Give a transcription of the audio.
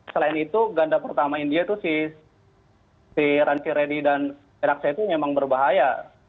selain itu ganda pertama india itu si rangkireddy dan erak setty memang berbahaya